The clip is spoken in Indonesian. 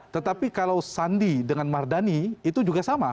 tetapi kalau sandi dengan mardani itu juga sama